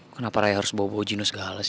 kenapa raya harus bawa bawa geno segala sih